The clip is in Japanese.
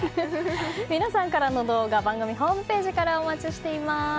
皆さんからの動画番組ホームページからお待ちしています。